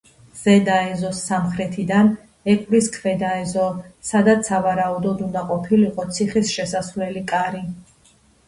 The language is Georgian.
ზედა ეზოს სამხრეთიდან ეკვრის ქვედა ეზო, სადაც სავარაუდოდ უნდა ყოფილიყო ციხის შესასვლელი კარი.